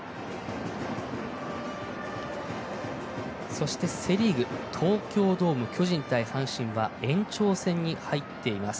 そして、セ・リーグ東京ドーム巨人対阪神は延長戦となっています。